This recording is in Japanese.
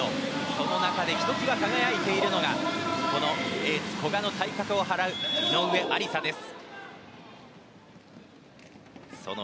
その中でひときわ輝いているのがエース、古賀の対角を張る井上愛里沙です。